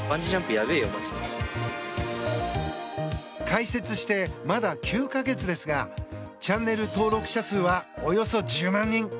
開設してまだ９か月ですがチャンネル登録者数はおよそ１０万人。